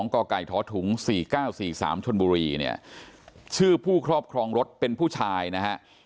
กไก่ท้อถุง๔๙๔๓ชนบุรีเนี่ยชื่อผู้ครอบครองรถเป็นผู้ชายนะฮะ